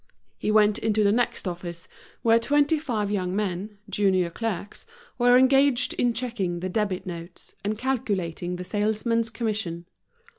He went into the next office, where twenty five young men, junior clerks, were engaged in checking the debit notes, and calculating the salesmen's commission.